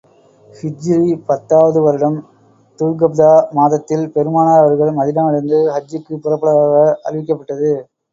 ஹிஜ்ரீ பத்தாவது வருடம் துல்கஃதா மாதத்தில், பெருமானார் அவர்கள் மதீனாவிலிருந்து ஹஜ்ஜுக்குப் புறப்படுவதாக அறிவிக்கப்பட்டது.